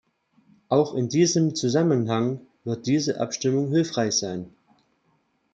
Auch in diesem Zusammenhang wird diese Abstimmung hilfreich sein.